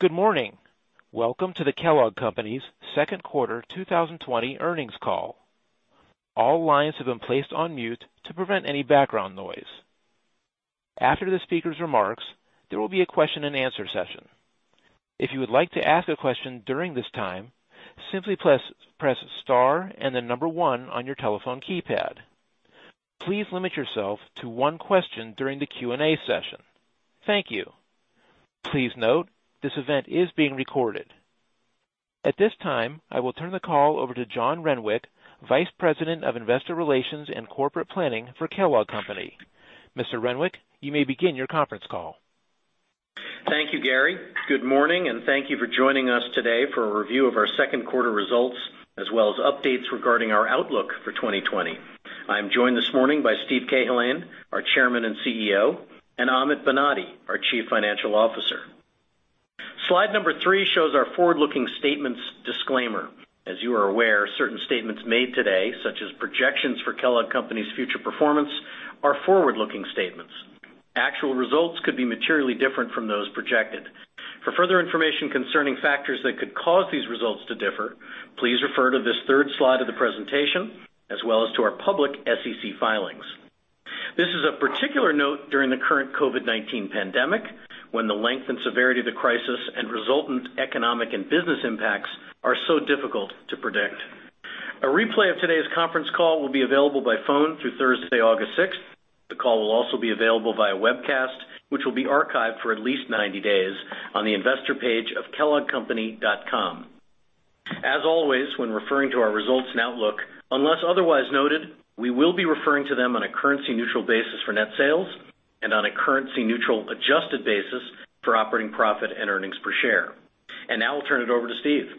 Good morning. Welcome to the Kellogg Company's second quarter 2020 earnings call. All lines have been placed on mute to prevent any background noise. After the speaker's remarks, there will be a question-and-answer session. If you would like to ask a question during this time, simply press star and then number one on your telephone keypad. Please limit yourself to one question during the Q&A session. Thank you. Please note, this event is being recorded. At this time, I will turn the call over to John Renwick, Vice President of Investor Relations and Corporate Planning for Kellogg Company. Mr. Renwick, you may begin your conference call. Thank you, Gary. Good morning, and thank you for joining us today for a review of our second quarter results, as well as updates regarding our outlook for 2020. I'm joined this morning by Steve Cahillane, our Chairman and CEO, and Amit Banati, our Chief Financial Officer. Slide number three shows our forward-looking statements disclaimer. As you are aware, certain statements made today, such as projections for Kellogg Company's future performance, are forward-looking statements. Actual results could be materially different from those projected. For further information concerning factors that could cause these results to differ, please refer to this third slide of the presentation, as well as to our public SEC filings. This is of particular note during the current COVID-19 pandemic, when the length and severity of the crisis and resultant economic and business impacts are so difficult to predict. A replay of today's conference call will be available by phone through Thursday, August 6th. The call will also be available via webcast, which will be archived for at least 90 days on the investor page of kelloggcompany.com. As always, when referring to our results and outlook, unless otherwise noted, we will be referring to them on a currency neutral basis for net sales and on a currency neutral adjusted basis for operating profit and earnings per share. Now I'll turn it over to Steve.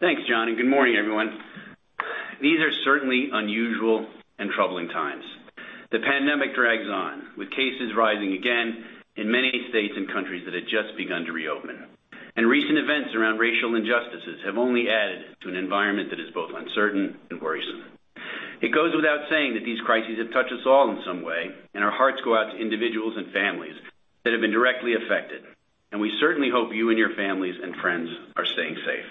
Thanks, John, and good morning, everyone. These are certainly unusual and troubling times. The pandemic drags on, with cases rising again in many states and countries that had just begun to reopen. Recent events around racial injustices have only added to an environment that is both uncertain and worrisome. It goes without saying that these crises have touched us all in some way, and our hearts go out to individuals and families that have been directly affected, and we certainly hope you and your families and friends are staying safe.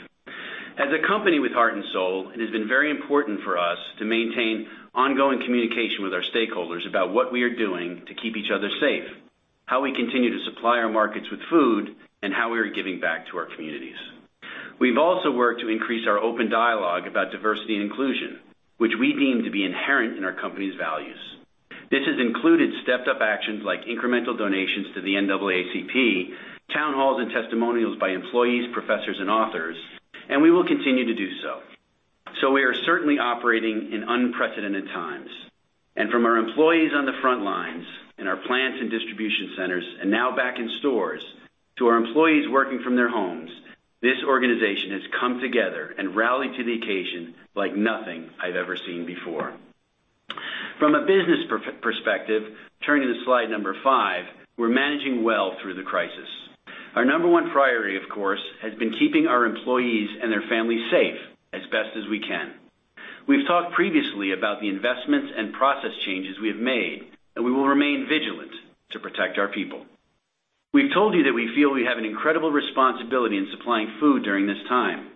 As a company with heart and soul, it has been very important for us to maintain ongoing communication with our stakeholders about what we are doing to keep each other safe, how we continue to supply our markets with food, and how we are giving back to our communities. We've also worked to increase our open dialogue about diversity and inclusion, which we deem to be inherent in our company's values. This has included stepped-up actions like incremental donations to the NAACP, town halls, and testimonials by employees, professors, and authors. We will continue to do so. We are certainly operating in unprecedented times. From our employees on the front lines in our plants and distribution centers and now back in stores, to our employees working from their homes, this organization has come together and rallied to the occasion like nothing I've ever seen before. From a business perspective, turning to slide number five, we're managing well through the crisis. Our number one priority, of course, has been keeping our employees and their families safe as best as we can. We've talked previously about the investments and process changes we have made, and we will remain vigilant to protect our people. We've told you that we feel we have an incredible responsibility in supplying food during this time.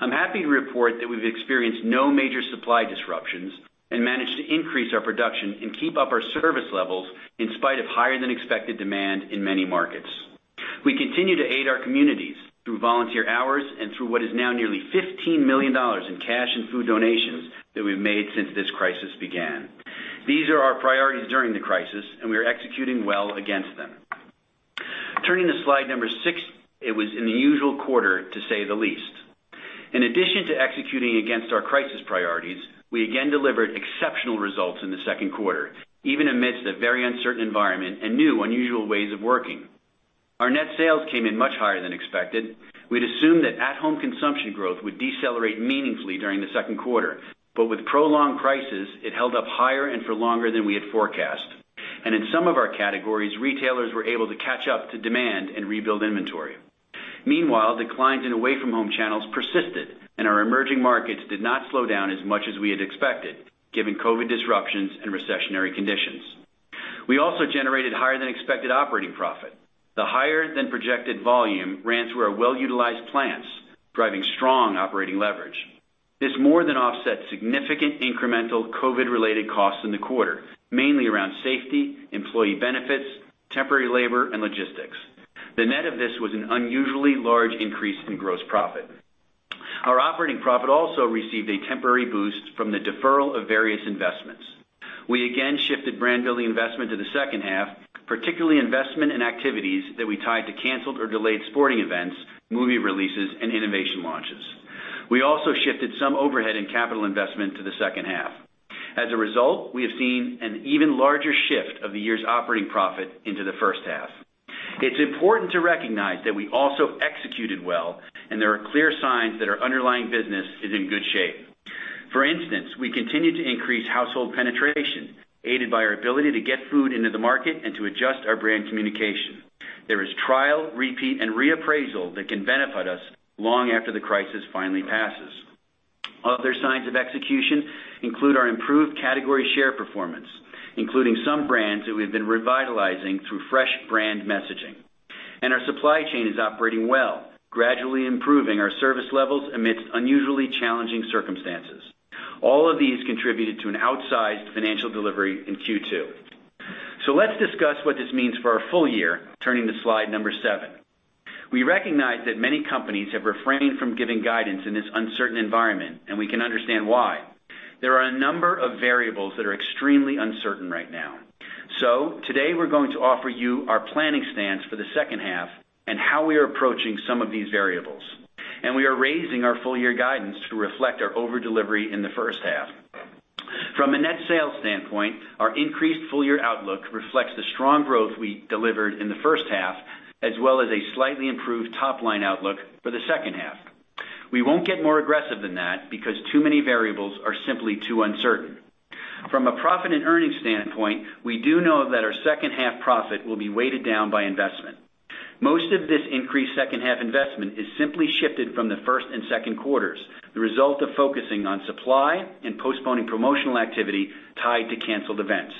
I'm happy to report that we've experienced no major supply disruptions and managed to increase our production and keep up our service levels in spite of higher than expected demand in many markets. We continue to aid our communities through volunteer hours and through what is now nearly $15 million in cash and food donations that we've made since this crisis began. These are our priorities during the crisis, and we are executing well against them. Turning to slide number six, it was an unusual quarter, to say the least. In addition to executing against our crisis priorities, we again delivered exceptional results in the second quarter, even amidst a very uncertain environment and new, unusual ways of working. Our net sales came in much higher than expected. We had assumed that at-home consumption growth would decelerate meaningfully during the second quarter. With prolonged crisis, it held up higher and for longer than we had forecast. In some of our categories, retailers were able to catch up to demand and rebuild inventory. Meanwhile, declines in away-from-home channels persisted. Our emerging markets did not slow down as much as we had expected, given COVID disruptions and recessionary conditions. We also generated higher than expected operating profit. The higher than projected volume ran through our well-utilized plants, driving strong operating leverage. This more than offset significant incremental COVID-related costs in the quarter, mainly around safety, employee benefits, temporary labor, and logistics. The net of this was an unusually large increase in gross profit. Our operating profit also received a temporary boost from the deferral of various investments. We again shifted brand building investment to the second half, particularly investment in activities that we tied to canceled or delayed sporting events, movie releases, and innovation launches. We also shifted some overhead and capital investment to the second half. As a result, we have seen an even larger shift of the year's operating profit into the first half. It's important to recognize that we also executed well, and there are clear signs that our underlying business is in good shape. For instance, we continue to increase household penetration, aided by our ability to get food into the market and to adjust our brand communication. There is trial, repeat, and reappraisal that can benefit us long after the crisis finally passes. Our supply chain is operating well, gradually improving our service levels amidst unusually challenging circumstances. All of these contributed to an outsized financial delivery in Q2. Let's discuss what this means for our full year, turning to slide number seven. We recognize that many companies have refrained from giving guidance in this uncertain environment, and we can understand why. There are a number of variables that are extremely uncertain right now. Today, we're going to offer you our planning stance for the second half and how we are approaching some of these variables. We are raising our full year guidance to reflect our over delivery in the first half. From a net sales standpoint, our increased full year outlook reflects the strong growth we delivered in the first half, as well as a slightly improved top-line outlook for the second half. We won't get more aggressive than that because too many variables are simply too uncertain. From a profit and earnings standpoint, we do know that our second half profit will be weighted down by investment. Most of this increased second half investment is simply shifted from the first and second quarters, the result of focusing on supply and postponing promotional activity tied to canceled events.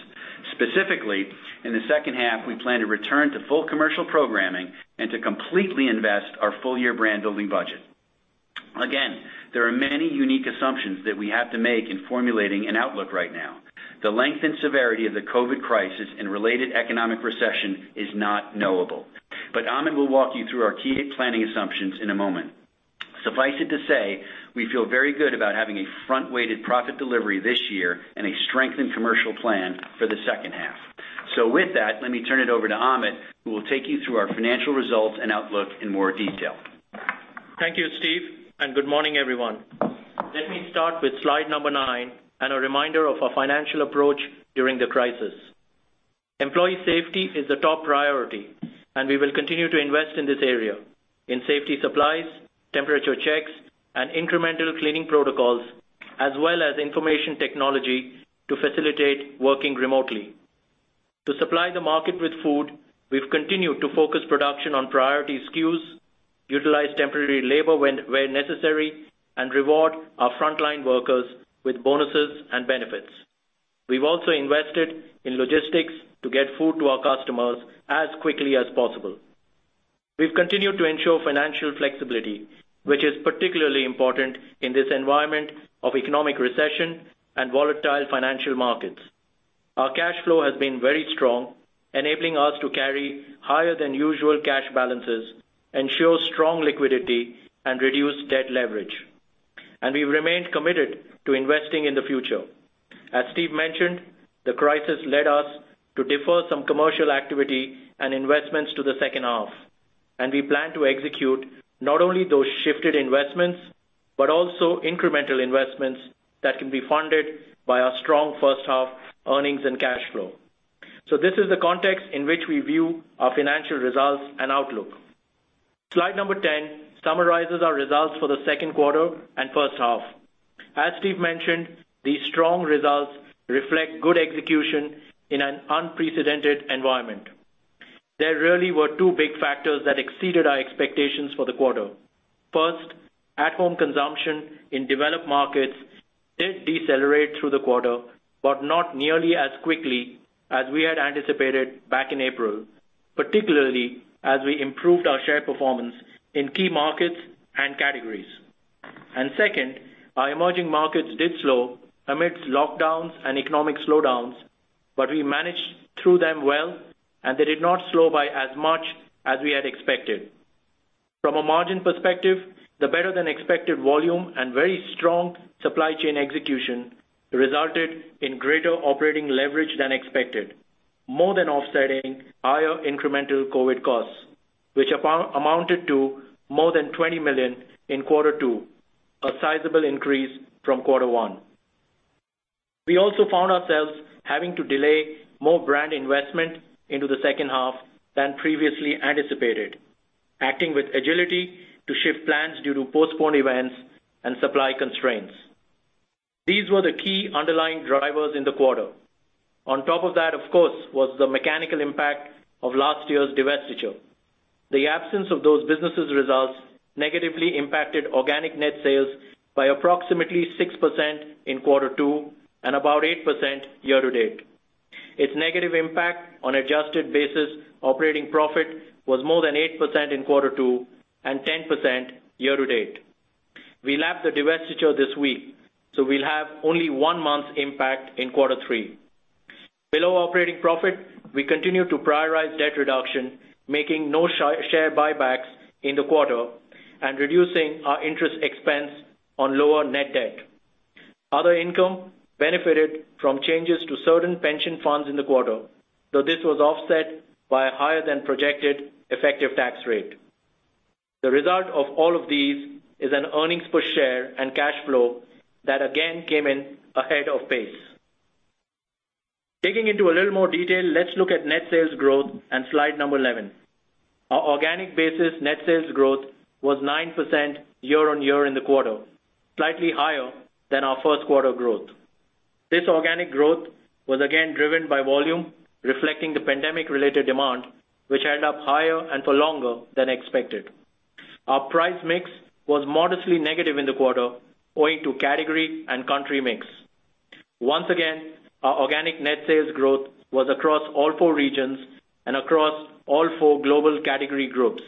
Specifically, in the second half, we plan to return to full commercial programming and to completely invest our full year brand building budget. There are many unique assumptions that we have to make in formulating an outlook right now. The length and severity of the COVID crisis and related economic recession is not knowable. Amit will walk you through our key planning assumptions in a moment. Suffice it to say, we feel very good about having a front-weighted profit delivery this year and a strengthened commercial plan for the second half. With that, let me turn it over to Amit, who will take you through our financial results and outlook in more detail. Thank you, Steve, and good morning, everyone. Let me start with slide number nine and a reminder of our financial approach during the crisis. Employee safety is a top priority, and we will continue to invest in this area, in safety supplies, temperature checks, and incremental cleaning protocols, as well as information technology to facilitate working remotely. To supply the market with food, we've continued to focus production on priority SKUs, utilize temporary labor where necessary, and reward our frontline workers with bonuses and benefits. We've also invested in logistics to get food to our customers as quickly as possible. We've continued to ensure financial flexibility, which is particularly important in this environment of economic recession and volatile financial markets. Our cash flow has been very strong, enabling us to carry higher than usual cash balances, ensure strong liquidity, and reduce debt leverage. We've remained committed to investing in the future. As Steve mentioned, the crisis led us to defer some commercial activity and investments to the second half, and we plan to execute not only those shifted investments, but also incremental investments that can be funded by our strong first half earnings and cash flow. This is the context in which we view our financial results and outlook. Slide number 10 summarizes our results for the second quarter and first half. As Steve mentioned, these strong results reflect good execution in an unprecedented environment. There really were two big factors that exceeded our expectations for the quarter. First, at-home consumption in developed markets did decelerate through the quarter, but not nearly as quickly as we had anticipated back in April, particularly as we improved our share performance in key markets and categories. Second, our emerging markets did slow amidst lockdowns and economic slowdowns, but we managed through them well, and they did not slow by as much as we had expected. From a margin perspective, the better than expected volume and very strong supply chain execution resulted in greater operating leverage than expected, more than offsetting higher incremental COVID costs, which amounted to more than $20 million in quarter two, a sizable increase from quarter one. We also found ourselves having to delay more brand investment into the second half than previously anticipated, acting with agility to shift plans due to postponed events and supply constraints. These were the key underlying drivers in the quarter. On top of that, of course, was the mechanical impact of last year's divestiture. The absence of those businesses' results negatively impacted organic net sales by approximately 6% in quarter two and about 8% year-to-date. Its negative impact on adjusted basis operating profit was more than 8% in Q2 and 10% year-to-date. We lapped the divestiture this week, so we'll have only one month's impact in Q3. Below operating profit, we continue to prioritize debt reduction, making no share buybacks in the quarter and reducing our interest expense on lower net debt. Other income benefited from changes to certain pension funds in the quarter, though this was offset by a higher than projected effective tax rate. The result of all of these is an EPS and cash flow that again came in ahead of pace. Digging into a little more detail, let's look at net sales growth and slide number 11. Our organic basis net sales growth was 9% year-on-year in the quarter, slightly higher than our first quarter growth. This organic growth was again driven by volume, reflecting the pandemic-related demand, which ended up higher and for longer than expected. Our price mix was modestly negative in the quarter owing to category and country mix. Once again, our organic net sales growth was across all four regions and across all four global category groups,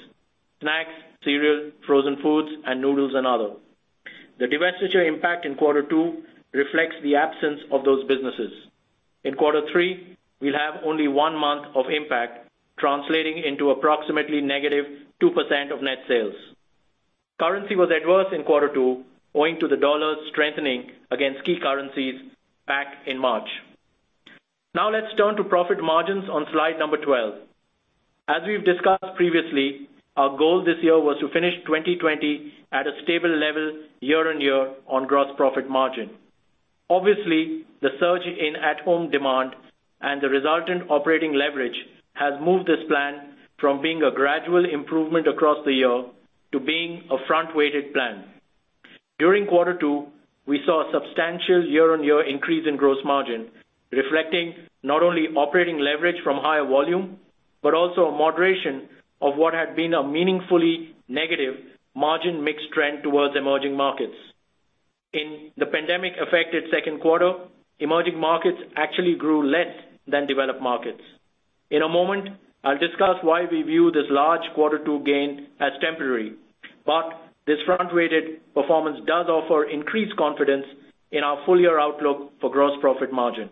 snacks, cereal, frozen foods, and noodles and other. The divestiture impact in quarter two reflects the absence of those businesses. In quarter three, we'll have only one month of impact, translating into approximately -2% of net sales. Currency was adverse in quarter two owing to the dollar strengthening against key currencies back in March. Now let's turn to profit margins on slide number 12. As we've discussed previously, our goal this year was to finish 2020 at a stable level year-on-year on gross profit margin. Obviously, the surge in at-home demand and the resultant operating leverage has moved this plan from being a gradual improvement across the year to being a front-weighted plan. During quarter two, we saw a substantial year-on-year increase in gross margin, reflecting not only operating leverage from higher volume, but also a moderation of what had been a meaningfully negative margin mix trend towards emerging markets. In the pandemic-affected second quarter, emerging markets actually grew less than developed markets. In a moment, I'll discuss why we view this large quarter two gain as temporary. This front-weighted performance does offer increased confidence in our full-year outlook for gross profit margin.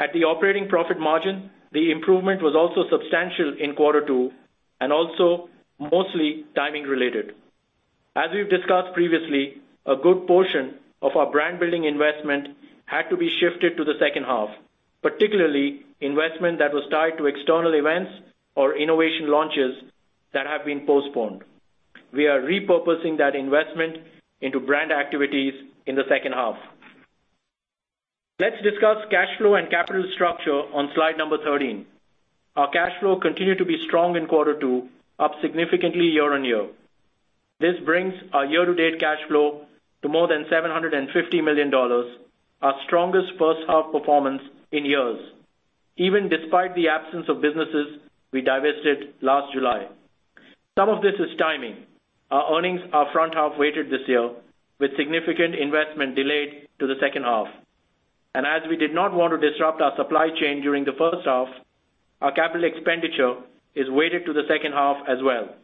At the operating profit margin, the improvement was also substantial in quarter two and also mostly timing related. As we've discussed previously, a good portion of our brand-building investment had to be shifted to the second-half, particularly investment that was tied to external events or innovation launches that have been postponed. We are repurposing that investment into brand activities in the second-half. Let's discuss cash flow and capital structure on slide number 13. Our cash flow continued to be strong in Q2, up significantly year-over-year. This brings our year-to-date cash flow to more than $750 million, our strongest first-half performance in years, even despite the absence of businesses we divested last July. Some of this is timing. Our earnings are front-half weighted this year, with significant investment delayed to the second-half. As we did not want to disrupt our supply chain during the first-half, our capital expenditure is weighted to the second-half as well.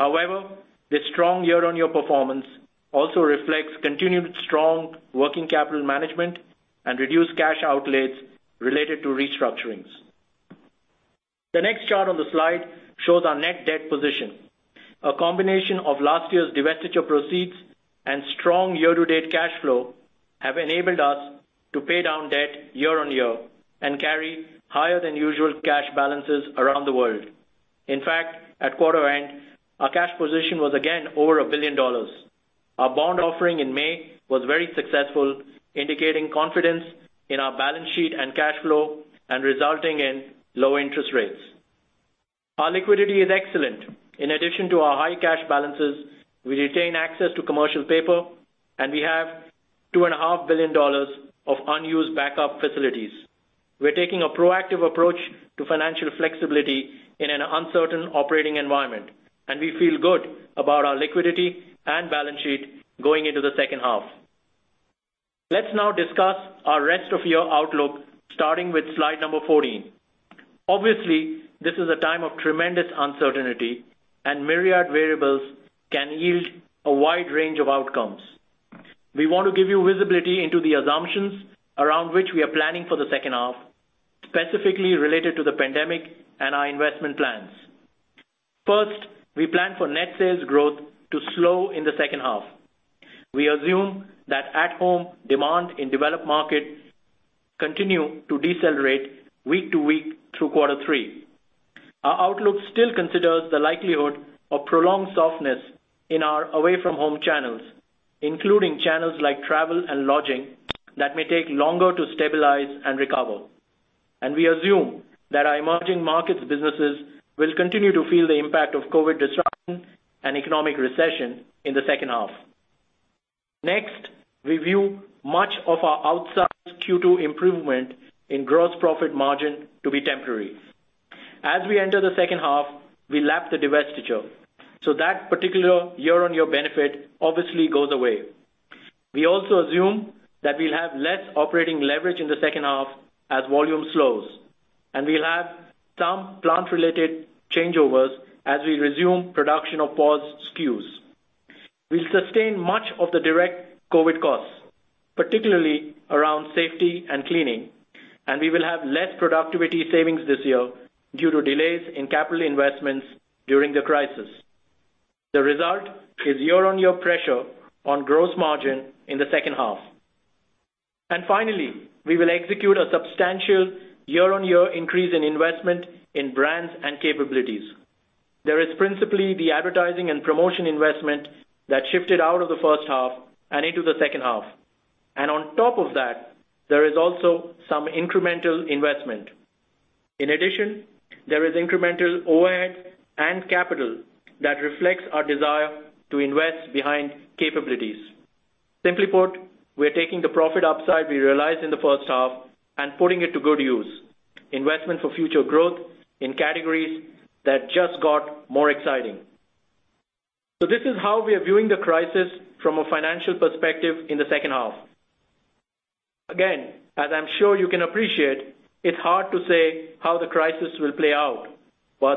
However, this strong year-over-year performance also reflects continued strong working capital management and reduced cash outlays related to restructurings. The next chart on the slide shows our net debt position. A combination of last year's divestiture proceeds and strong year-to-date cash flow have enabled us to pay down debt year-over-year and carry higher than usual cash balances around the world. In fact, at quarter end, our cash position was again over $1 billion. Our bond offering in May was very successful, indicating confidence in our balance sheet and cash flow and resulting in low interest rates. Our liquidity is excellent. In addition to our high cash balances, we retain access to commercial paper, and we have $2.5 billion of unused backup facilities. We're taking a proactive approach to financial flexibility in an uncertain operating environment, and we feel good about our liquidity and balance sheet going into the second half. Let's now discuss our rest of year outlook, starting with slide number 14. Obviously, this is a time of tremendous uncertainty, and myriad variables can yield a wide range of outcomes. We want to give you visibility into the assumptions around which we are planning for the second half, specifically related to the pandemic and our investment plans. First, we plan for net sales growth to slow in the second half. We assume that at-home demand in developed markets continue to decelerate week-to-week through quarter three. Our outlook still considers the likelihood of prolonged softness in our away-from-home channels, including channels like travel and lodging that may take longer to stabilize and recover. We assume that our emerging markets businesses will continue to feel the impact of COVID disruption and economic recession in the second half. Next, we view much of our outsized Q2 improvement in gross profit margin to be temporary. As we enter the second half, we lap the divestiture, so that particular year-on-year benefit obviously goes away. We also assume that we'll have less operating leverage in the second half as volume slows, and we'll have some plant-related changeovers as we resume production of paused SKUs. We'll sustain much of the direct COVID costs, particularly around safety and cleaning, and we will have less productivity savings this year due to delays in capital investments during the crisis. The result is year-on-year pressure on gross margin in the second half. Finally, we will execute a substantial year-on-year increase in investment in brands and capabilities. There is principally the advertising and promotion investment that shifted out of the first half and into the second half. On top of that, there is also some incremental investment in addition there is incremental overhead and capital that reflects our desire to invest behind capabilities. Simply put, we are taking the profit upside we realized in the first half and putting it to good use, investment for future growth in categories that just got more exciting. This is how we are viewing the crisis from a financial perspective in the second half. Again, as I'm sure you can appreciate, it's hard to say how the crisis will play out.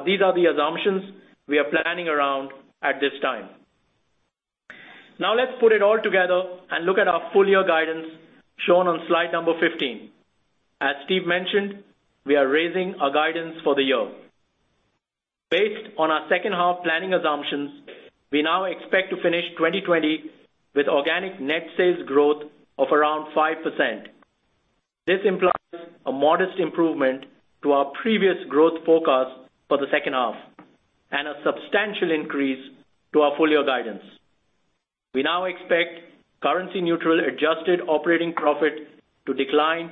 These are the assumptions we are planning around at this time. Let's put it all together and look at our full-year guidance shown on slide number 15. As Steve mentioned, we are raising our guidance for the year. Based on our second half planning assumptions, we now expect to finish 2020 with organic net sales growth of around 5%. This implies a modest improvement to our previous growth forecast for the second half and a substantial increase to our full-year guidance. We now expect currency neutral adjusted operating profit to decline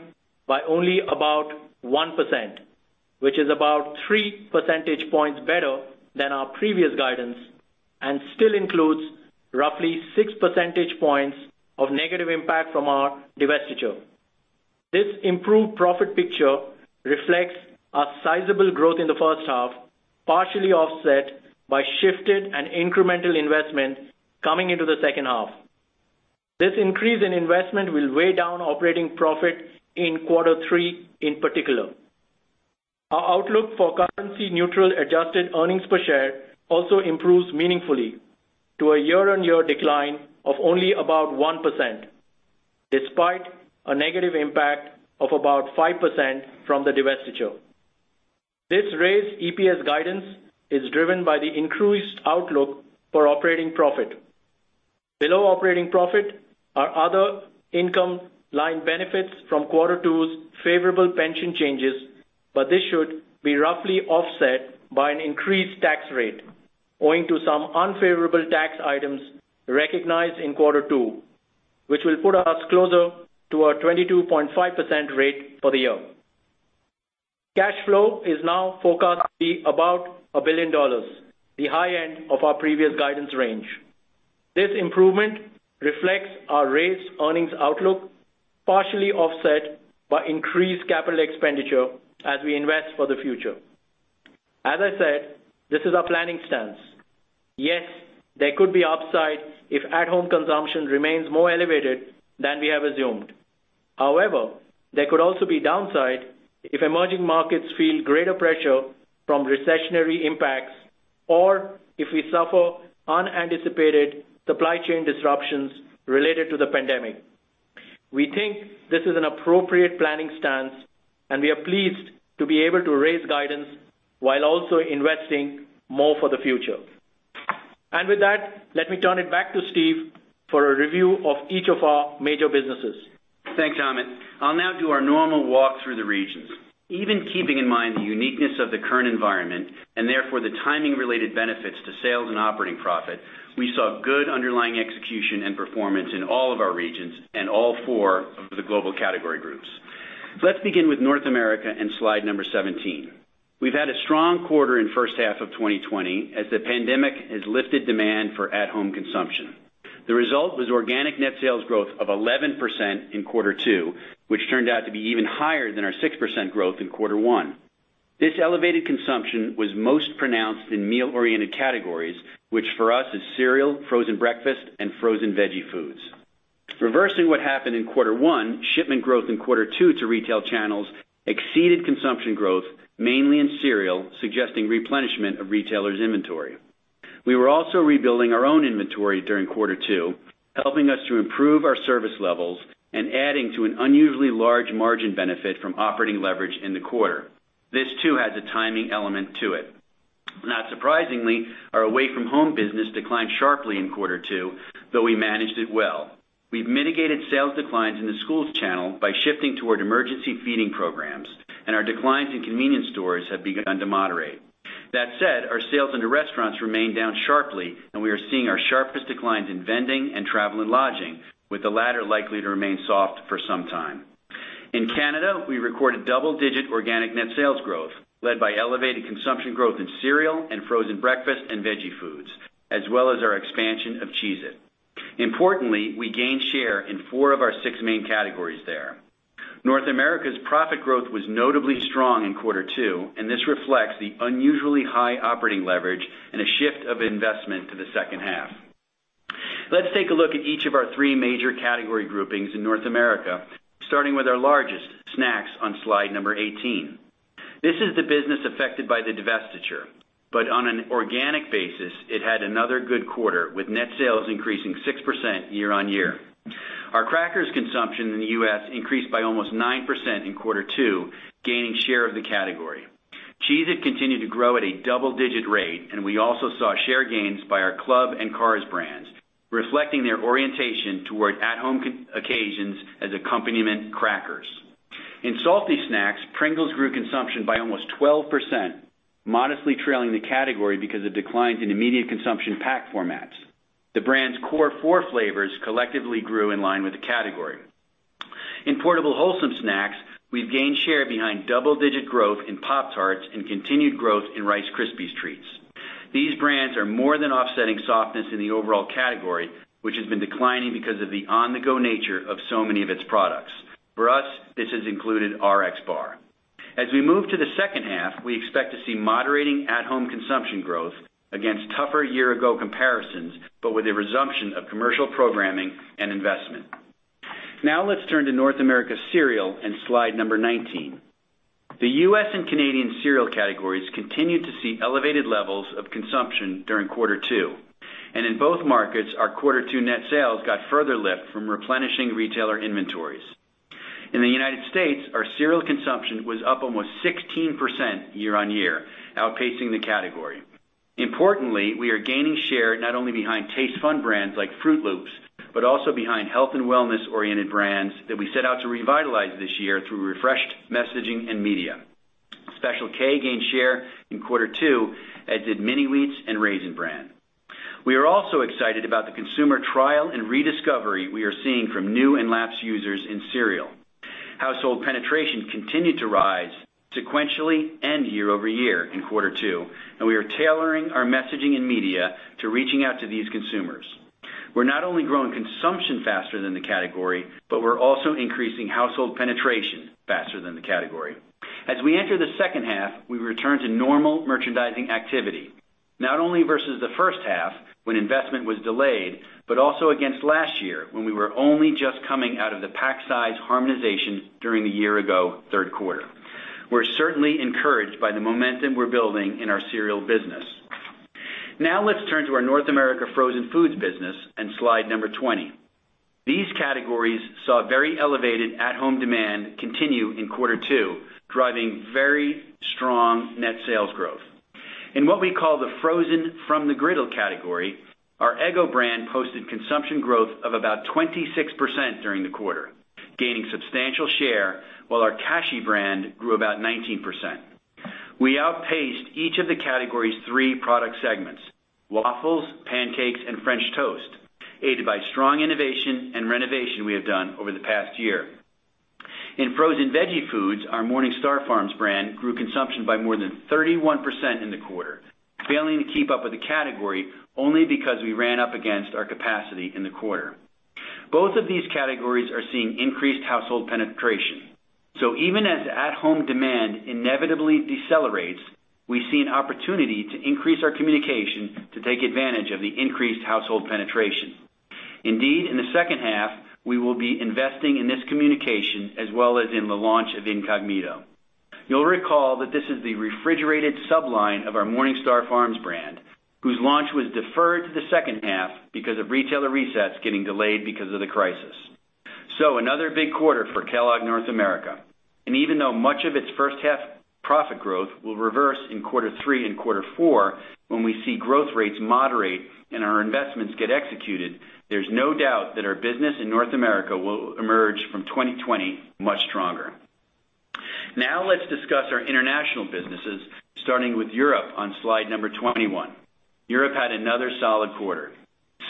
by only about 1%, which is about 3 percentage points better than our previous guidance and still includes roughly 6 percentage points of negative impact from our divestiture. This improved profit picture reflects our sizable growth in the first half, partially offset by shifted and incremental investment coming into the second half. This increase in investment will weigh down operating profit in quarter three in particular. Our outlook for currency neutral adjusted earnings per share also improves meaningfully to a year-on-year decline of only about 1%, despite a negative impact of about 5% from the divestiture. This raised EPS guidance is driven by the increased outlook for operating profit. Below operating profit are other income line benefits from quarter two's favorable pension changes. This should be roughly offset by an increased tax rate owing to some unfavorable tax items recognized in quarter two, which will put us closer to a 22.5% rate for the year. Cash flow is now forecast to be about $1 billion, the high end of our previous guidance range. This improvement reflects our raised earnings outlook, partially offset by increased capital expenditure as we invest for the future. As I said, this is our planning stance. Yes, there could be upside if at-home consumption remains more elevated than we have assumed. However, there could also be downside if emerging markets feel greater pressure from recessionary impacts or if we suffer unanticipated supply chain disruptions related to the pandemic. We think this is an appropriate planning stance, and we are pleased to be able to raise guidance while also investing more for the future. With that, let me turn it back to Steve for a review of each of our major businesses. Thanks, Amit. I'll now do our normal walk through the regions. Even keeping in mind the uniqueness of the current environment and therefore the timing related benefits to sales and operating profit, we saw good underlying execution and performance in all of our regions and all four of the global category groups. Let's begin with North America in slide number 17. We've had a strong quarter in first half of 2020 as the pandemic has lifted demand for at-home consumption. The result was organic net sales growth of 11% in quarter two, which turned out to be even higher than our 6% growth in quarter one. This elevated consumption was most pronounced in meal-oriented categories, which for us is cereal, frozen from the griddle, and frozen veggie foods. Reversing what happened in Q1, shipment growth in Q2 to retail channels exceeded consumption growth, mainly in cereal, suggesting replenishment of retailers inventory. We were also rebuilding our own inventory during Q2, helping us to improve our service levels and adding to an unusually large margin benefit from operating leverage in the quarter. This too has a timing element to it. Not surprisingly, our away from home business declined sharply in Q2, though we managed it well. We've mitigated sales declines in the schools channel by shifting toward emergency feeding programs, and our declines in convenience stores have begun to moderate. That said, our sales into restaurants remain down sharply, and we are seeing our sharpest declines in vending and travel and lodging, with the latter likely to remain soft for some time. In Canada, we recorded double-digit organic net sales growth, led by elevated consumption growth in cereal and frozen breakfast and veggie foods, as well as our expansion of Cheez-It. Importantly, we gained share in four of our six main categories there. North America's profit growth was notably strong in quarter two. This reflects the unusually high operating leverage and a shift of investment to the second half. Let's take a look at each of our three major category groupings in North America, starting with our largest, snacks on slide number 18. This is the business affected by the divestiture. On an organic basis, it had another good quarter with net sales increasing 6% year-on-year. Our crackers consumption in the U.S. increased by almost 9% in quarter two, gaining share of the category. Cheez-It continued to grow at a double-digit rate. We also saw share gains by our Club and Carr's brands, reflecting their orientation toward at-home occasions as accompaniment crackers. In salty snacks, Pringles grew consumption by almost 12%, modestly trailing the category because of declines in immediate consumption pack formats. The brand's core four flavors collectively grew in line with the category. In portable wholesome snacks, we've gained share behind double-digit growth in Pop-Tarts and continued growth in Rice Krispies Treats. These brands are more than offsetting softness in the overall category, which has been declining because of the on-the-go nature of so many of its products. For us, this has included RXBAR. As we move to the second half, we expect to see moderating at-home consumption growth against tougher year-ago comparisons, with a resumption of commercial programming and investment. Now let's turn to North America cereal and slide number 19. The U.S. and Canadian cereal categories continued to see elevated levels of consumption during quarter two, and in both markets, our quarter two net sales got further lift from replenishing retailer inventories. In the United States, our cereal consumption was up almost 16% year-on-year, outpacing the category. Importantly, we are gaining share not only behind Taste/Fun brands like Froot Loops, but also behind health and wellness-oriented brands that we set out to revitalize this year through refreshed messaging and media. Special K gained share in quarter two, as did Mini Wheats and Raisin Bran. We are also excited about the consumer trial and rediscovery we are seeing from new and lapsed users in cereal. Household penetration continued to rise sequentially and year-over-year in quarter two, and we are tailoring our messaging and media to reaching out to these consumers. We're not only growing consumption faster than the category, but we're also increasing household penetration faster than the category. As we enter the second half, we return to normal merchandising activity, not only versus the first half when investment was delayed, but also against last year when we were only just coming out of the pack size harmonization during the year ago third quarter. We're certainly encouraged by the momentum we're building in our cereal business. Now let's turn to our North America frozen foods business and slide number 20. These categories saw very elevated at-home demand continue in quarter two, driving very strong net sales growth. In what we call the frozen from the griddle category, our Eggo brand posted consumption growth of about 26% during the quarter, gaining substantial share while our Kashi brand grew about 19%. We outpaced each of the category's three product segments, waffles, pancakes, and French toast, aided by strong innovation and renovation we have done over the past year. In frozen veggie foods, our MorningStar Farms brand grew consumption by more than 31% in the quarter, failing to keep up with the category only because we ran up against our capacity in the quarter. Both of these categories are seeing increased household penetration. Even as at-home demand inevitably decelerates, we see an opportunity to increase our communication to take advantage of the increased household penetration. Indeed, in the second half, we will be investing in this communication as well as in the launch of Incogmeato. You'll recall that this is the refrigerated sub-line of our MorningStar Farms brand, whose launch was deferred to the second half because of retailer resets getting delayed because of the crisis. Another big quarter for Kellogg North America. Even though much of its first half profit growth will reverse in quarter three and quarter four when we see growth rates moderate and our investments get executed, there's no doubt that our business in North America will emerge from 2020 much stronger. Let's discuss our international businesses, starting with Europe on slide 21. Europe had another solid quarter.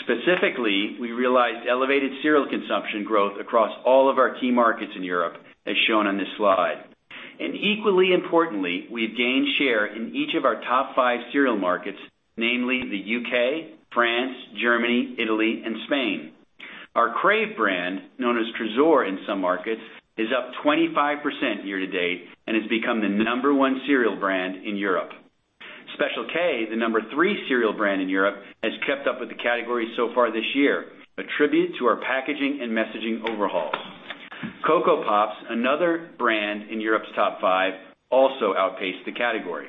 Specifically, we realized elevated cereal consumption growth across all of our key markets in Europe, as shown on this slide. Equally importantly, we have gained share in each of our top five cereal markets, namely the U.K., France, Germany, Italy, and Spain. Our Krave brand, known as Trésor in some markets, is up 25% year to date and has become the number one cereal brand in Europe. Special K, the number three cereal brand in Europe, has kept up with the category so far this year, attributed to our packaging and messaging overhauls. Coco Pops, another brand in Europe's top five, also outpaced the category.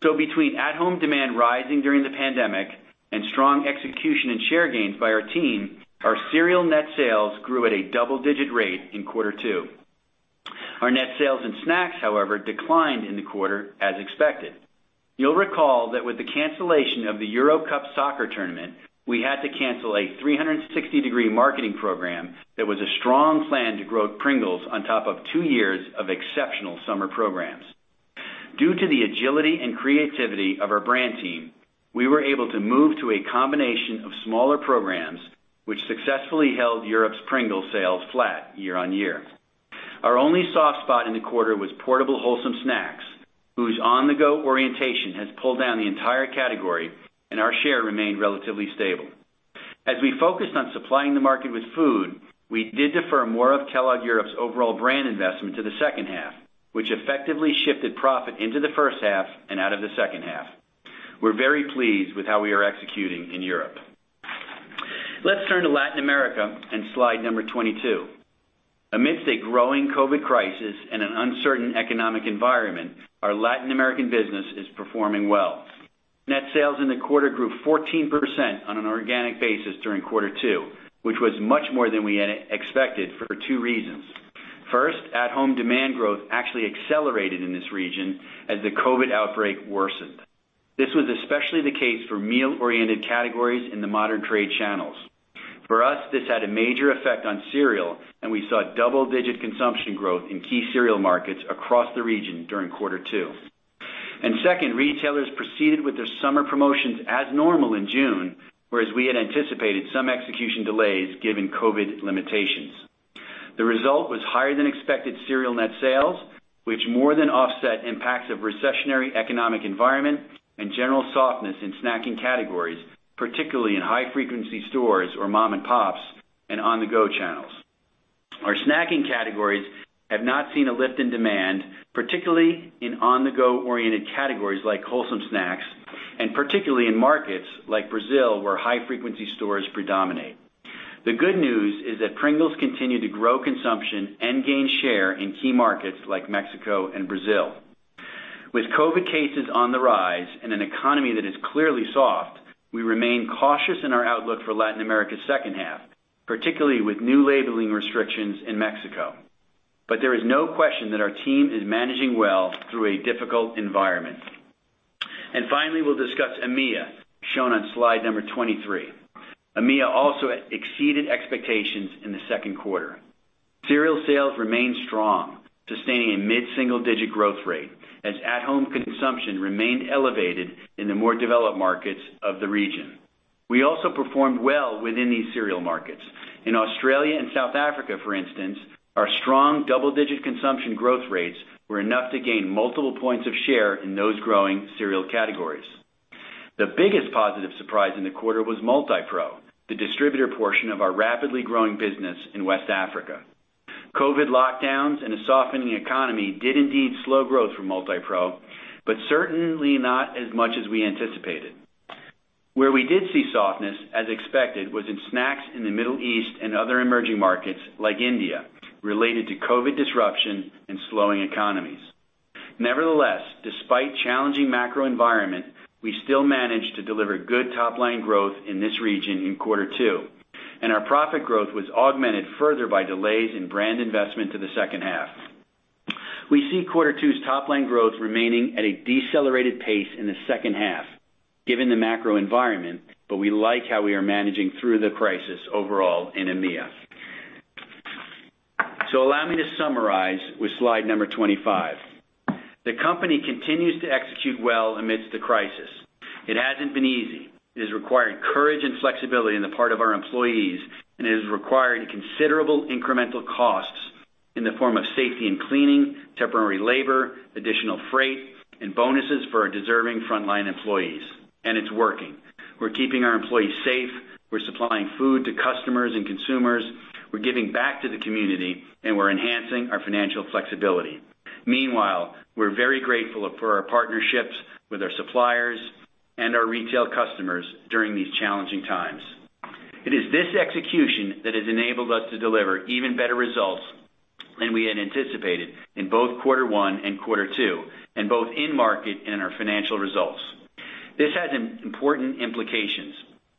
Between at-home demand rising during the pandemic and strong execution and share gains by our team, our cereal net sales grew at a double-digit rate in quarter two. Our net sales and snacks, however, declined in the quarter as expected. You'll recall that with the cancellation of the UEFA Euro 2020 soccer tournament, we had to cancel a 360-degree marketing program that was a strong plan to grow Pringles on top of two years of exceptional summer programs. Due to the agility and creativity of our brand team, we were able to move to a combination of smaller programs which successfully held Europe's Pringles sales flat year-over-year. Our only soft spot in the quarter was portable wholesome snacks, whose on-the-go orientation has pulled down the entire category, and our share remained relatively stable. As we focused on supplying the market with food, we did defer more of Kellogg Europe's overall brand investment to the second half, which effectively shifted profit into the first half and out of the second half. We're very pleased with how we are executing in Europe. Let's turn to Latin America and slide 22. Amidst a growing COVID crisis and an uncertain economic environment, our Latin American business is performing well. Net sales in the quarter grew 14% on an organic basis during Q2, which was much more than we had expected for two reasons. First, at-home demand growth actually accelerated in this region as the COVID worsened. This was especially the case for meal-oriented categories in the modern trade channels. For us, this had a major effect on cereal, and we saw double-digit consumption growth in key cereal markets across the region during Q2. Second, retailers proceeded with their summer promotions as normal in June, whereas we had anticipated some execution delays given COVID limitations. The result was higher than expected cereal net sales, which more than offset impacts of recessionary economic environment and general softness in snacking categories, particularly in high-frequency stores or mom and pops, and on-the-go channels. Our snacking categories have not seen a lift in demand, particularly in on-the-go oriented categories like wholesome snacks, and particularly in markets like Brazil, where high-frequency stores predominate. The good news is that Pringles continue to grow consumption and gain share in key markets like Mexico and Brazil. With COVID cases on the rise and an economy that is clearly soft, we remain cautious in our outlook for Latin America second half, particularly with new labeling restrictions in Mexico. There is no question that our team is managing well through a difficult environment. Finally, we'll discuss EMEA, shown on slide number 23. EMEA also exceeded expectations in the second quarter. Cereal sales remained strong, sustaining a mid-single digit growth rate as at-home consumption remained elevated in the more developed markets of the region. We also performed well within these cereal markets. In Australia and South Africa, for instance, our strong double-digit consumption growth rates were enough to gain multiple points of share in those growing cereal categories. The biggest positive surprise in the quarter was Multipro, the distributor portion of our rapidly growing business in West Africa. COVID lockdowns and a softening economy did indeed slow growth for Multipro, but certainly not as much as we anticipated. Where we did see softness, as expected, was in snacks in the Middle East and other emerging markets like India, related to COVID disruption and slowing economies. Nevertheless, despite challenging macro environment, we still managed to deliver good top line growth in this region in quarter two, and our profit growth was augmented further by delays in brand investment to the second half. We see quarter two's top line growth remaining at a decelerated pace in the second half given the macro environment, but we like how we are managing through the crisis overall in EMEA. Allow me to summarize with slide number 25. The company continues to execute well amidst the crisis. It hasn't been easy. It has required courage and flexibility on the part of our employees, and it has required considerable incremental costs in the form of safety and cleaning, temporary labor, additional freight, and bonuses for our deserving frontline employees. It's working. We're keeping our employees safe. We're supplying food to customers and consumers. We're giving back to the community, and we're enhancing our financial flexibility. Meanwhile, we're very grateful for our partnerships with our suppliers and our retail customers during these challenging times. It is this execution that has enabled us to deliver even better results than we had anticipated in both quarter one and quarter two, and both in market and in our financial results. This has important implications.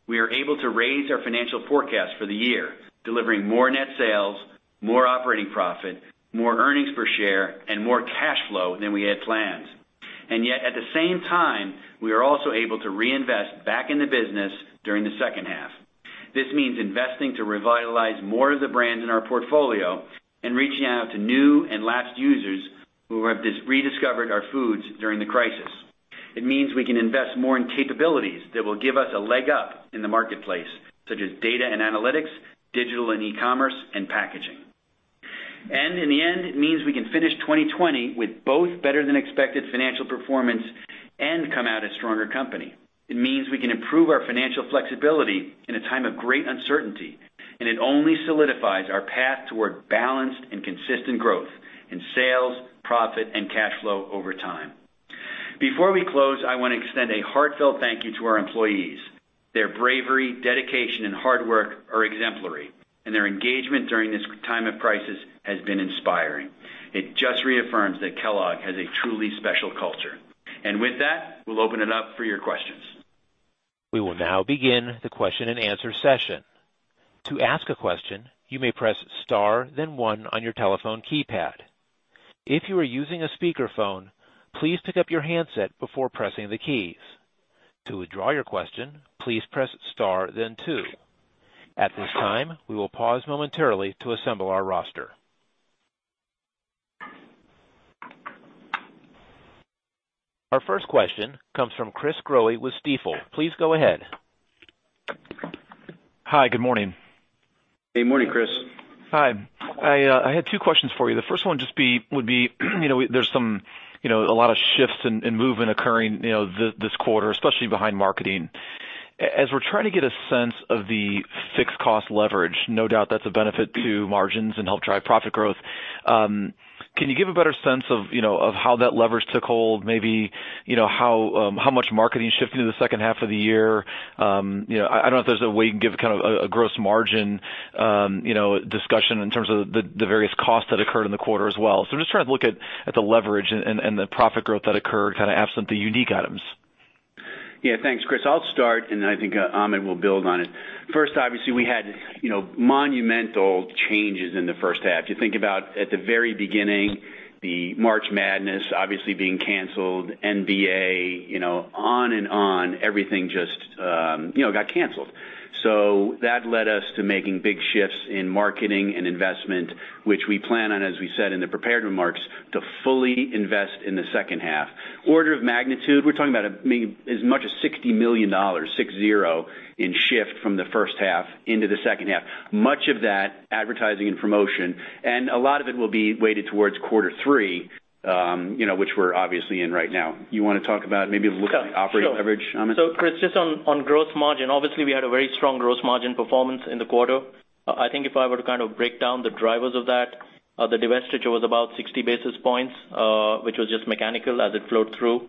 We are able to raise our financial forecast for the year, delivering more net sales, more operating profit, more earnings per share, and more cash flow than we had planned. Yet, at the same time, we are also able to reinvest back in the business during the second half. This means investing to revitalize more of the brands in our portfolio and reaching out to new and lapsed users who have rediscovered our foods during the crisis. It means we can invest more in capabilities that will give us a leg up in the marketplace, such as data and analytics, digital and e-commerce, and packaging. In the end, it means we can finish 2020 with both better than expected financial performance and come out a stronger company. It means we can improve our financial flexibility in a time of great uncertainty, and it only solidifies our path toward balanced and consistent growth in sales, profit, and cash flow over time. Before we close, I want to extend a heartfelt thank you to our employees. Their bravery, dedication, and hard work are exemplary, and their engagement during this time of crisis has been inspiring. It just reaffirms that Kellogg has a truly special culture. With that, we'll open it up for your questions. We will now begin the question-and-answer session. To ask a question, you may press star then one on your telephone keypad. If you are using a speakerphone, please pick up your handset before pressing the keys. To withdraw your question, please press star then two. At this time, we will pause momentarily to assemble our roster. Our first question comes from Chris Growe with Stifel. Please go ahead. Hi. Good morning. Good morning, Chris. Hi. I had two questions for you. The first one would be, there's a lot of shifts and movement occurring this quarter, especially behind marketing. As we're trying to get a sense of the fixed cost leverage, no doubt that's a benefit to margins and help drive profit growth, can you give a better sense of how that leverage took hold? Maybe how much marketing shifted to the second half of the year? I don't know if there's a way you can give a gross margin discussion in terms of the various costs that occurred in the quarter as well. I'm just trying to look at the leverage and the profit growth that occurred absent the unique items. Thanks, Chris. I'll start, and then I think Amit will build on it. First, obviously, we had monumental changes in the first half. You think about at the very beginning, the March Madness obviously being canceled, NBA, on and on, everything just got canceled. That led us to making big shifts in marketing and investment, which we plan on, as we said in the prepared remarks, to fully invest in the second half. Order of magnitude, we're talking about as much as $60 million, six zero, in shift from the first half into the second half. Much of that advertising and promotion, and a lot of it will be weighted towards quarter three, which we're obviously in right now. You want to talk about maybe looking at the operating leverage on it? Sure. Chris, just on gross margin, obviously, we had a very strong gross margin performance in the quarter. I think if I were to break down the drivers of that, the divestiture was about 60 basis points, which was just mechanical as it flowed through.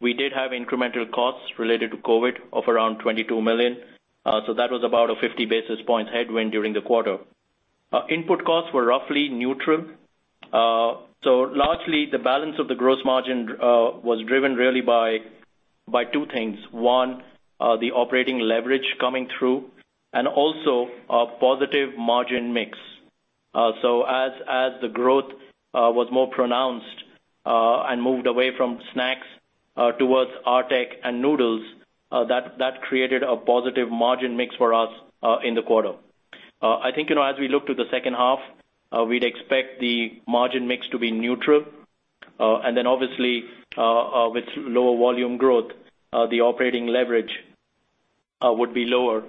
We did have incremental costs related to COVID of around $22 million. That was about a 50 basis points headwind during the quarter. Input costs were roughly neutral. Largely, the balance of the gross margin was driven really by two things, one, the operating leverage coming through and also a positive margin mix. As the growth was more pronounced and moved away from snacks towards RTE cereal and noodles, that created a positive margin mix for us in the quarter. I think, as we look to the second half, we'd expect the margin mix to be neutral. Obviously, with lower volume growth, the operating leverage would be lower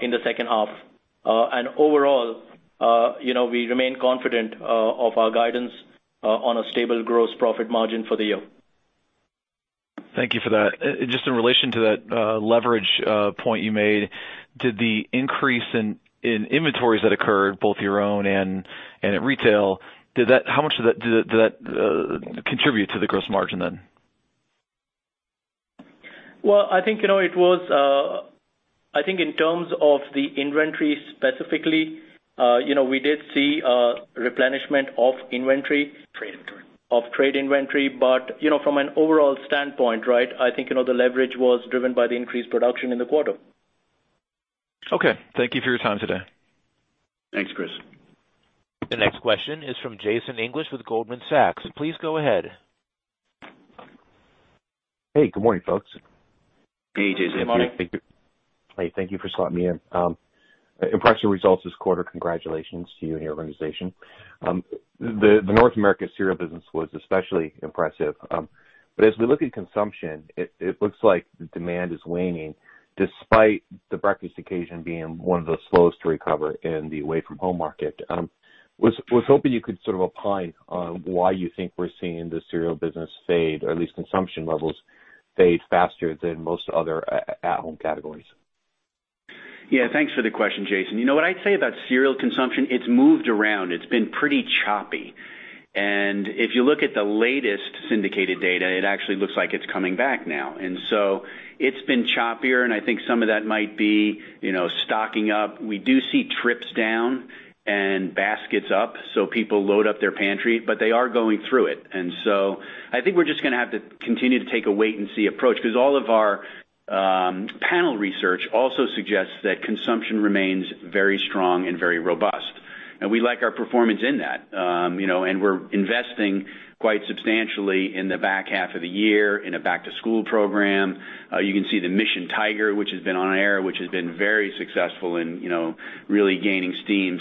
in the second half. Overall, we remain confident of our guidance on a stable gross profit margin for the year. Thank you for that. Just in relation to that leverage point you made, did the increase in inventories that occurred, both your own and at retail, how much did that contribute to the gross margin then? Well, I think in terms of the inventory specifically, we did see a replenishment of inventory. Trade inventory Of trade inventory. From an overall standpoint, I think the leverage was driven by the increased production in the quarter. Okay. Thank you for your time today. Thanks, Chris. The next question is from Jason English with Goldman Sachs. Please go ahead. Hey, good morning, folks. Hey, Jason. Good morning. Hey, thank you for slotting me in. Impressive results this quarter, congratulations to you and your organization. The North American cereal business was especially impressive. As we look at consumption, it looks like the demand is waning despite the breakfast occasion being one of the slowest to recover in the away-from-home market. I was hoping you could sort of opine on why you think we're seeing the cereal business fade, or at least consumption levels fade faster than most other at-home categories. Thanks for the question, Jason. What I'd say about cereal consumption, it's moved around. It's been pretty choppy. If you look at the latest syndicated data, it actually looks like it's coming back now. It's been choppier, and I think some of that might be stocking up. We do see trips down and baskets up, so people load up their pantry. They are going through it. I think we're just going to have to continue to take a wait and see approach because all of our panel research also suggests that consumption remains very strong and very robust. We like our performance in that. We're investing quite substantially in the back half of the year in a back-to-school program. You can see the Mission Tiger, which has been on air, which has been very successful in really gaining steam.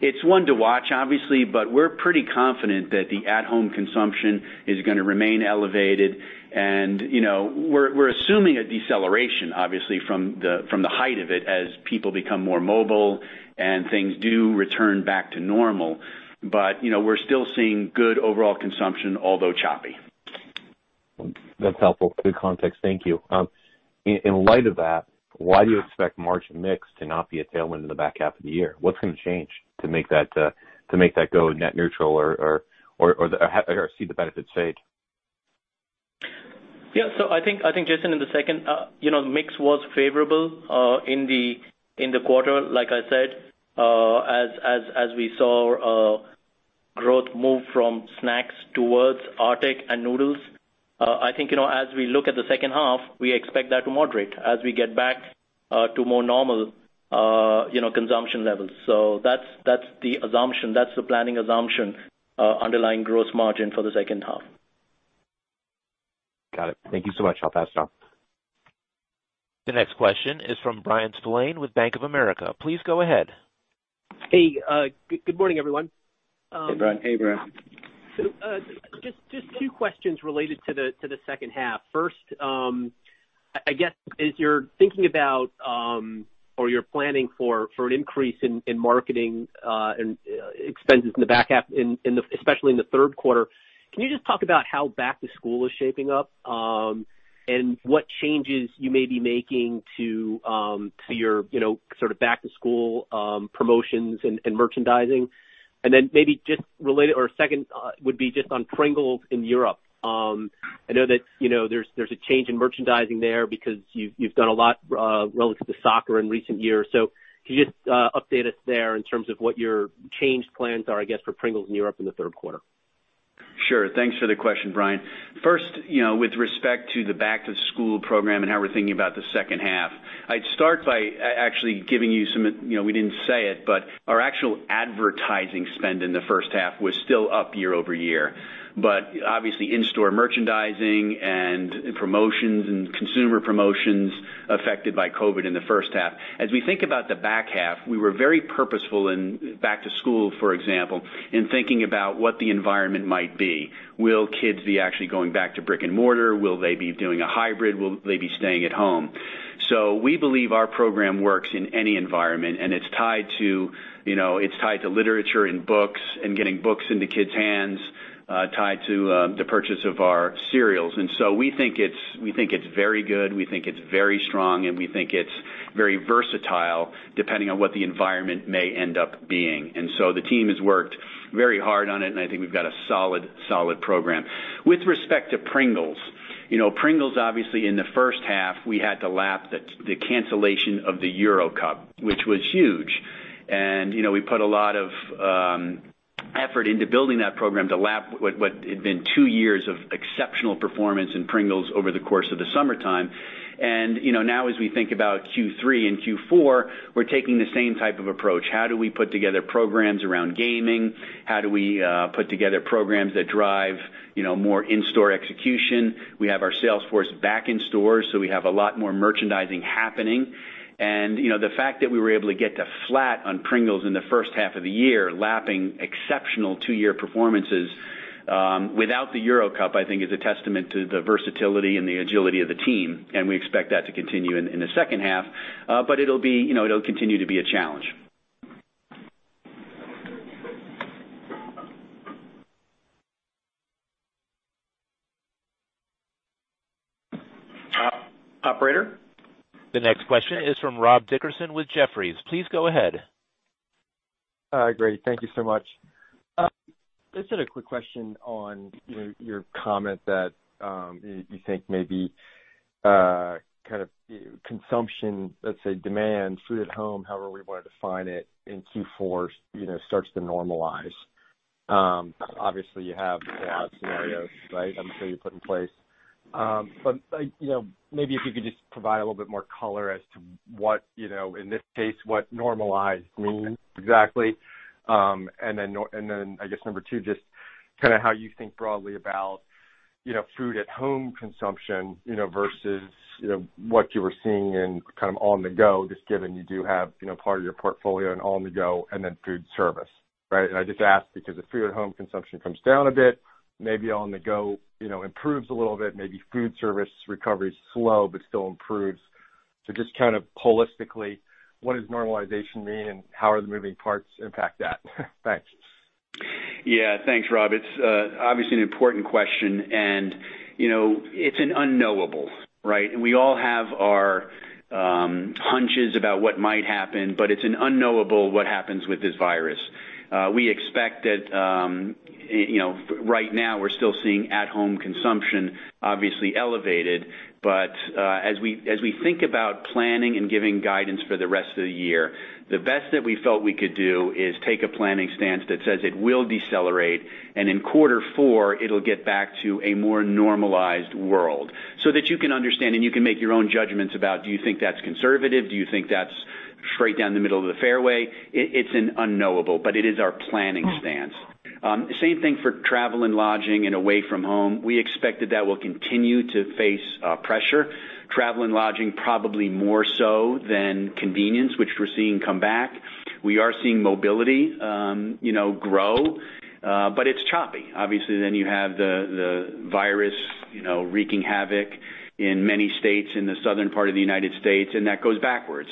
It's one to watch, obviously, but we're pretty confident that the at-home consumption is going to remain elevated. We're assuming a deceleration, obviously, from the height of it as people become more mobile and things do return back to normal. We're still seeing good overall consumption, although choppy. That's helpful. Good context. Thank you. In light of that, why do you expect margin mix to not be a tailwind in the back half of the year? What's going to change to make that go net neutral or see the benefits fade? I think, Jason, in the second, mix was favorable in the quarter, like I said, as we saw growth move from snacks towards RTE and noodles. I think, as we look at the second half, we expect that to moderate as we get back to more normal consumption levels. That's the assumption, that's the planning assumption underlying gross margin for the second half. Got it. Thank you so much. I'll pass it on. The next question is from Bryan Spillane with Bank of America. Please go ahead. Hey, good morning, everyone. Hey, Bryan. Hey, Bryan. Just two questions related to the second half. First, I guess as you're thinking about or you're planning for an increase in marketing and expenses in the back half, especially in the third quarter, can you just talk about how back to school is shaping up? What changes you may be making to your back-to-school promotions and merchandising? Maybe just related or second would be just on Pringles in Europe. I know that there's a change in merchandising there because you've done a lot relative to soccer in recent years. Can you just update us there in terms of what your changed plans are, I guess, for Pringles in Europe in the third quarter? Sure. Thanks for the question, Bryan. First, with respect to the Back to School program and how we're thinking about the second half, I'd start by actually giving you some, we didn't say it, but our actual advertising spend in the first half was still up year-over-year. Obviously in-store merchandising and promotions and consumer promotions affected by COVID in the first half. As we think about the back half, we were very purposeful in Back to School, for example, in thinking about what the environment might be. Will kids be actually going back to brick and mortar? Will they be doing a hybrid? Will they be staying at home? We believe our program works in any environment, and it's tied to literature and books and getting books into kids' hands, tied to the purchase of our cereals. We think it's very good, we think it's very strong, and we think it's very versatile depending on what the environment may end up being. The team has worked very hard on it, and I think we've got a solid program. With respect to Pringles, obviously in the first half, we had to lap the cancellation of the Euro Cup, which was huge. We put a lot of effort into building that program to lap what had been two years of exceptional performance in Pringles over the course of the summertime. Now as we think about Q3 and Q4, we're taking the same type of approach. How do we put together programs around gaming? How do we put together programs that drive more in-store execution? We have our sales force back in stores, so we have a lot more merchandising happening. The fact that we were able to get to flat on Pringles in the first half of the year, lapping exceptional two-year performances, without the Euro Cup, I think is a testament to the versatility and the agility of the team, and we expect that to continue in the second half. It'll continue to be a challenge. Operator? The next question is from Rob Dickerson with Jefferies. Please go ahead. Great. Thank you so much. Just had a quick question on your comment that you think maybe consumption, let's say demand, food at home, however we want to define it, in Q4 starts to normalize. Obviously, you have bad scenarios, right? I'm sure you put in place. Maybe if you could just provide a little bit more color as to what, in this case, what normalized means exactly. Then I guess number two, just how you think broadly about food at home consumption versus what you were seeing in on the go, just given you do have part of your portfolio in on the go and then food service. Right? I just ask because if food at home consumption comes down a bit, maybe on the go improves a little bit, maybe food service recovery is slow but still improves. Just holistically, what does normalization mean and how are the moving parts impact that? Thanks. Thanks, Rob. It's obviously an important question. It's an unknowable, right? We all have our hunches about what might happen. It's an unknowable what happens with this virus. We expect that right now we're still seeing at-home consumption obviously elevated. As we think about planning and giving guidance for the rest of the year, the best that we felt we could do is take a planning stance that says it will decelerate. In Q4, it'll get back to a more normalized world. That you can understand and you can make your own judgments about do you think that's conservative? Do you think that's straight down the middle of the fairway? It's an unknowable. It is our planning stance. Same thing for travel and lodging and away from home. We expect that that will continue to face pressure. Travel and lodging probably more so than convenience, which we're seeing come back. We are seeing mobility grow, but it's choppy. Obviously you have the virus wreaking havoc in many states in the southern part of the United States, and that goes backwards.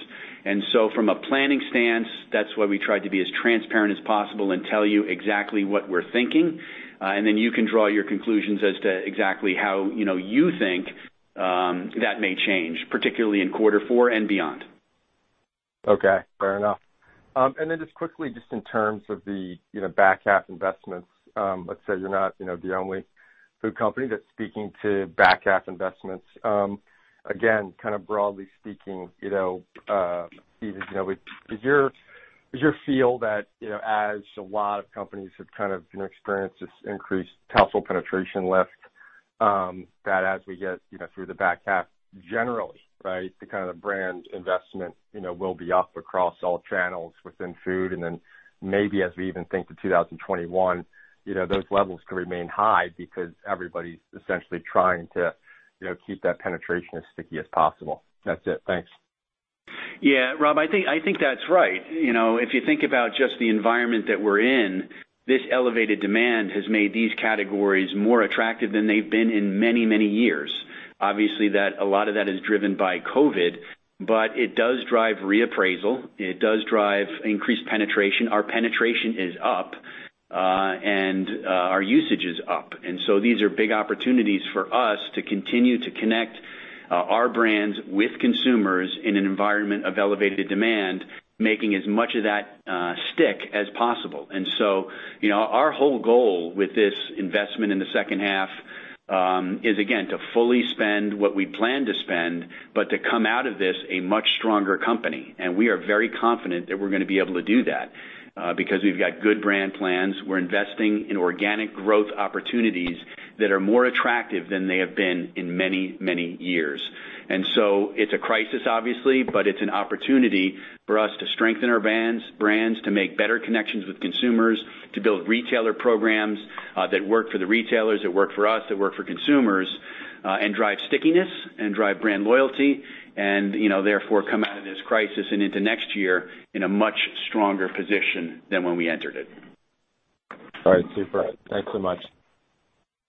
From a planning stance, that's why we tried to be as transparent as possible and tell you exactly what we're thinking, and then you can draw your conclusions as to exactly how you think that may change, particularly in quarter four and beyond. Okay, fair enough. Just quickly, just in terms of the back half investments, let's say you're not the only food company that's speaking to back half investments. Again, broadly speaking, is your feel that as a lot of companies have experienced this increased household penetration lift, that as we get through the back half generally, right, the brand investment will be up across all channels within food. Maybe as we even think to 2021, those levels could remain high because everybody's essentially trying to keep that penetration as sticky as possible. That's it. Thanks. Rob, I think that's right. If you think about just the environment that we're in, this elevated demand has made these categories more attractive than they've been in many years. Obviously, a lot of that is driven by COVID, but it does drive reappraisal. It does drive increased penetration. Our penetration is up, and our usage is up. These are big opportunities for us to continue to connect our brands with consumers in an environment of elevated demand, making as much of that stick as possible. Our whole goal with this investment in the second half is again, to fully spend what we plan to spend, but to come out of this a much stronger company, and we are very confident that we're going to be able to do that because we've got good brand plans. We're investing in organic growth opportunities that are more attractive than they have been in many, many years. It's a crisis, obviously, but it's an opportunity for us to strengthen our brands, to make better connections with consumers, to build retailer programs that work for the retailers, that work for us, that work for consumers and drive stickiness and drive brand loyalty, and therefore come out of this crisis and into next year in a much stronger position than when we entered it. All right, super. Thanks so much.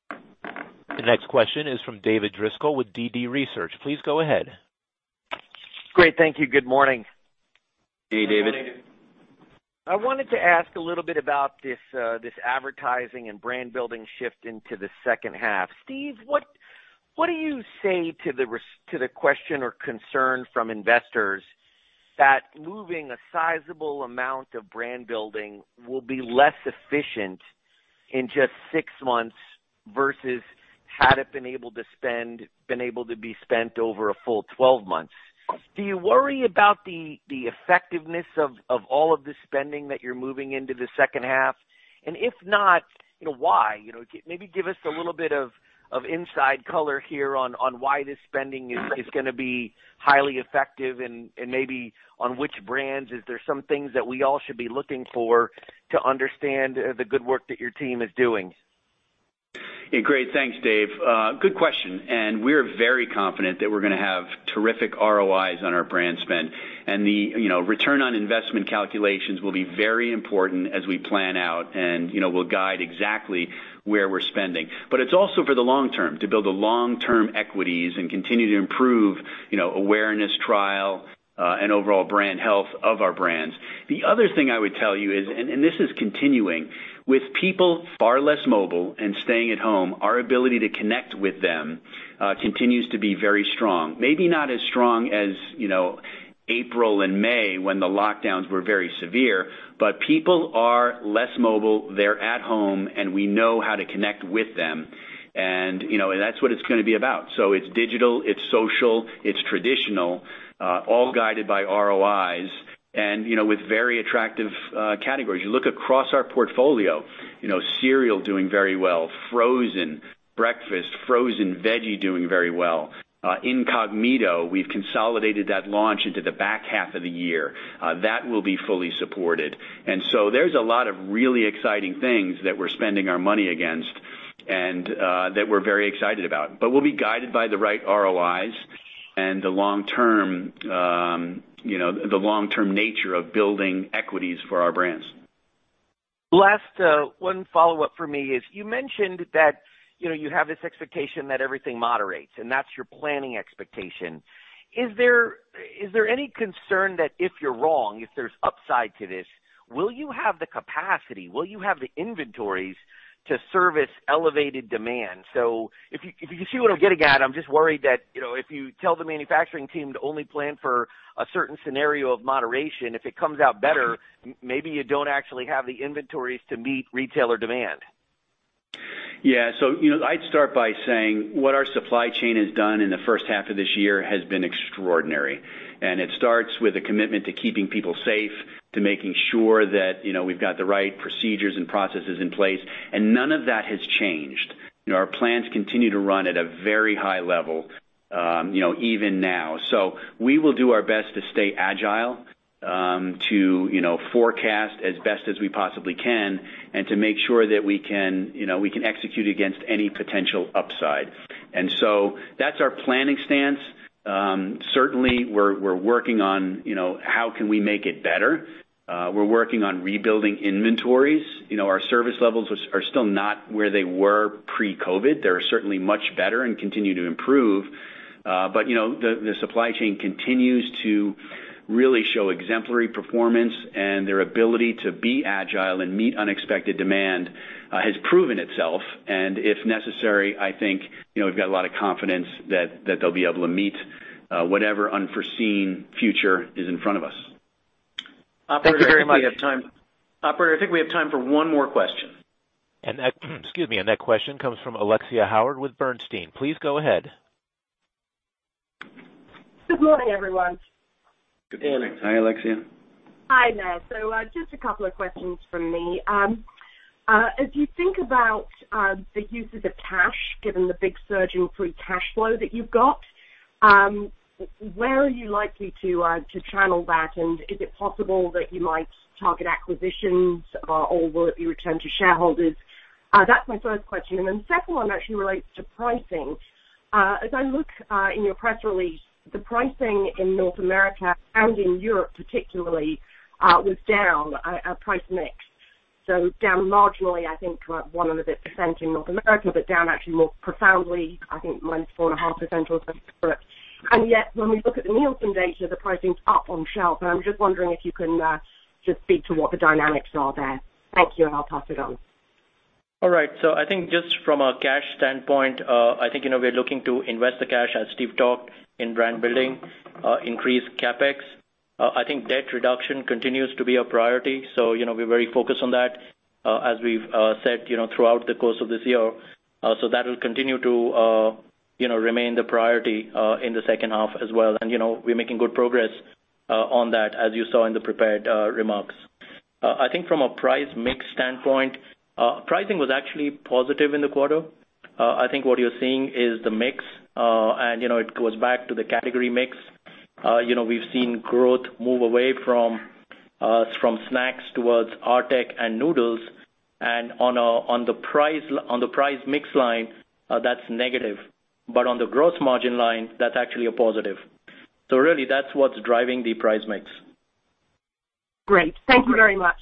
The next question is from David Driscoll with DD Research. Please go ahead. Great, thank you. Good morning. Good morning, David. I wanted to ask a little bit about this advertising and brand building shift into the second half. Steve, what do you say to the question or concern from investors that moving a sizable amount of brand building will be less efficient in just six months versus had it been able to be spent over a full 12 months? Do you worry about the effectiveness of all of the spending that you're moving into the second half? If not, why? Maybe give us a little bit of inside color here on why this spending is going to be highly effective and maybe on which brands. Is there some things that we all should be looking for to understand the good work that your team is doing? Yeah, great. Thanks, Dave. Good question. We're very confident that we're going to have terrific ROIs on our brand spend. The return on investment calculations will be very important as we plan out, and we'll guide exactly where we're spending. It's also for the long term, to build the long-term equities and continue to improve awareness, trial, and overall brand health of our brands. The other thing I would tell you is, and this is continuing, with people far less mobile and staying at home, our ability to connect with them continues to be very strong. Maybe not as strong as April and May, when the lockdowns were very severe, but people are less mobile, they're at home, and we know how to connect with them. That's what it's going to be about. It's digital, it's social, it's traditional, all guided by ROIs and with very attractive categories. You look across our portfolio, cereal doing very well, frozen breakfast, frozen veggie doing very well. Incogmeato, we've consolidated that launch into the back half of the year. That will be fully supported. There's a lot of really exciting things that we're spending our money against and that we're very excited about. We'll be guided by the right ROIs and the long-term nature of building equities for our brands. Last one follow-up for me is, you mentioned that you have this expectation that everything moderates, and that's your planning expectation. Is there any concern that if you're wrong, if there's upside to this, will you have the capacity, will you have the inventories to service elevated demand? If you see what I'm getting at, I'm just worried that, if you tell the manufacturing team to only plan for a certain scenario of moderation, if it comes out better, maybe you don't actually have the inventories to meet retailer demand. I'd start by saying what our supply chain has done in the first half of this year has been extraordinary. It starts with a commitment to keeping people safe, to making sure that we've got the right procedures and processes in place. None of that has changed. Our plants continue to run at a very high level even now. We will do our best to stay agile, to forecast as best as we possibly can, and to make sure that we can execute against any potential upside. That's our planning stance. Certainly, we're working on how can we make it better. We're working on rebuilding inventories. Our service levels are still not where they were pre-COVID. They're certainly much better and continue to improve. The supply chain continues to really show exemplary performance, and their ability to be agile and meet unexpected demand has proven itself, and if necessary, I think we've got a lot of confidence that they'll be able to meet whatever unforeseen future is in front of us. Thank you very much. Operator, I think we have time for one more question. Excuse me, that question comes from Alexia Howard with Bernstein. Please go ahead. Good morning, everyone. Good morning. Hi, Alexia. Hi, Amit. Just a couple of questions from me. As you think about the uses of cash, given the big surge in free cash flow that you've got, where are you likely to channel that, and is it possible that you might target acquisitions or will it be returned to shareholders? That's my first question, and then the second one actually relates to pricing. As I look in your press release, the pricing in North America and in Europe particularly, was down at price mix. Down marginally, I think about one and a bit percent in North America, but down actually more profoundly, I think -4.5% or so in Europe. Yet, when we look at the Nielsen data, the pricing's up on shelf. I'm just wondering if you can just speak to what the dynamics are there. Thank you, and I'll pass it on. I think just from a cash standpoint, I think we're looking to invest the cash, as Steve talked, in brand building, increase CapEx. I think debt reduction continues to be a priority. We're very focused on that, as we've said throughout the course of this year. That will continue to remain the priority in the second half as well. We're making good progress on that, as you saw in the prepared remarks. I think from a price mix standpoint, pricing was actually positive in the quarter. I think what you're seeing is the mix. It goes back to the category mix. We've seen growth move away from snacks towards RTE cereal and noodles. On the price mix line, that's negative. On the gross margin line, that's actually a positive. Really, that's what's driving the price mix. Great. Thank you very much.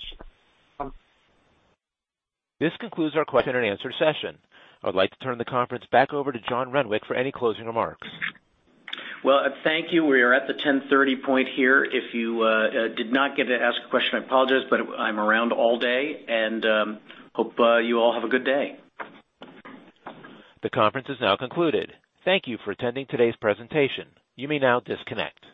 This concludes our question-and-answer session. I would like to turn the conference back over to John Renwick for any closing remarks. Well, thank you. We are at the 10:30 A.M. point here. If you did not get to ask a question, I apologize, I'm around all day and hope you all have a good day. The conference is now concluded. Thank you for attending today's presentation. You may now disconnect.